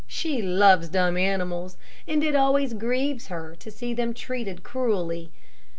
She loves dumb animals, and it always grieves her to see them treated cruelly.